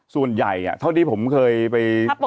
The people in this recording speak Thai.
ส่วนใหญ่เท่าที่ผมเคยไป